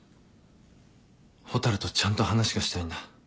蛍とちゃんと話がしたいんだ。